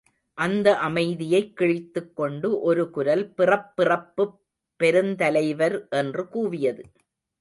அந்த அமைதியைக் கிழித்துக் கொண்டு ஒரு குரல் பிறப்பிறப்புப் பெருந்தலைவர் என்று கூவியது.